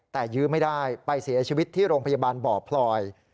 แต่ยื้อไม่ได้ไปเสียชีวิตที่โรงพยาบาลบ่อพลอย